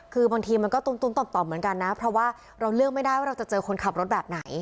คือบางทีมันก็ตุ้มต่อมเหมือนกันนะเพราะว่าเราเลือกไม่ได้ว่าเราจะเจอคนขับรถแบบไหน